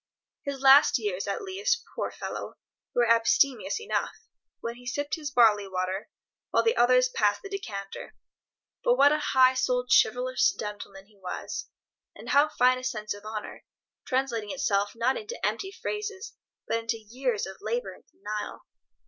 His last years, at least, poor fellow, were abstemious enough, when he sipped his barley water, while the others passed the decanter. But what a high souled chivalrous gentleman he was, with how fine a sense of honour, translating itself not into empty phrases, but into years of labour and denial!